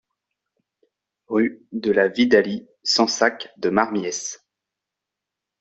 Rue de la Vidalie, Sansac-de-Marmiesse